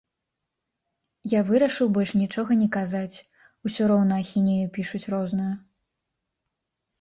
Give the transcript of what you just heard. Я вырашыў больш нічога не казаць, усё роўна ахінею пішуць розную.